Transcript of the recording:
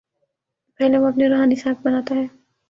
پہلے وہ اپنی روحانی ساکھ بناتا ہے۔